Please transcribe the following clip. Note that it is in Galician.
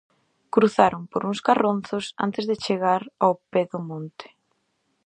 Cruzaron por uns carronzos antes de chegar ao pé do monte.